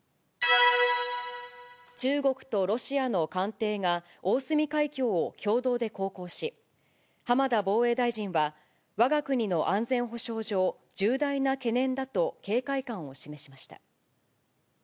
中国とロシアの艦艇が、大隅海峡を共同で航行し、浜田防衛大臣は、わが国の安全保障上、重大な懸念だと警戒感を示しました。